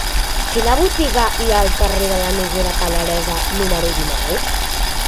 Quina botiga hi ha al carrer de la Noguera Pallaresa número dinou?